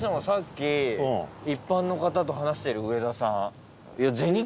さっき一般の方と話してる上田さん。